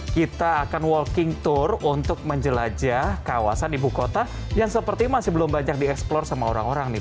kita akan walking tour untuk menjelajah kawasan ibu kota yang seperti masih belum banyak dieksplor sama orang orang nih